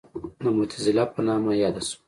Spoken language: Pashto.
د معتزله په نامه یاده شوه.